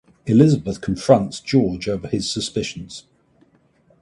Elizabeth confronts George over his suspicions.